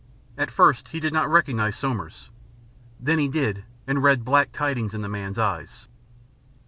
At first he did not recognise Somers. Then he did and read black tidings in the man's eyes.